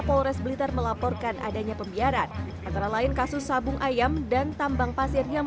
polres blitar melaporkan adanya pembiaran antara lain kasus sabung ayam dan tambang pasir yang